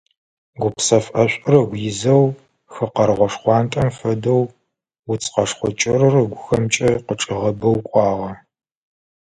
Гупсэф ӀэшӀур ыгу изэу, хы къэргъо шхъуантӀэм фэдэу, уц къэшхъо кӀырыр ыӀэгухэмкӀэ къычӀигъэбэу кӀуагъэ.